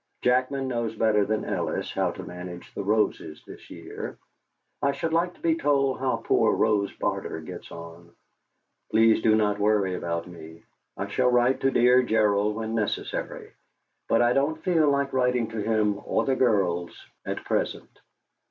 Jackman knows better than Ellis how to manage the roses this year. I should like to be told how poor Rose Barter gets on. Please do not worry about me. I shall write to dear Gerald when necessary, but I don't feel like writing to him or the girls at present.